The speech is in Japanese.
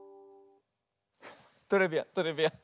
トレビアントレビアン。